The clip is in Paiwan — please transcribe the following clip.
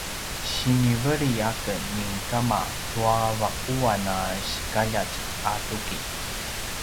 siniveli aken ni kama tua vaquan a sikaljat a tuki